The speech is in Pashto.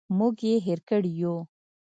موږ یې هېر کړي یوو.